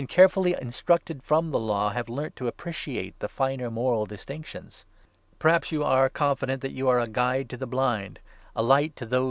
carefully instructed from the Law, have learnt to appreciate the finer moral distinctions. Perhaps you are 19 confident that you are a guide to the blind, a light to those 6 Ps. 62.